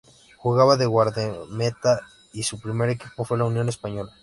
Jugaba de guardameta y su primer equipo fue la Unión Española.